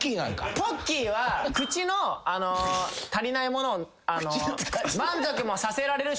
ポッキーは口の足りないものを満足もさせられるし。